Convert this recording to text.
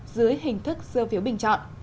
dưới hình thức sơ phiếu bình chọn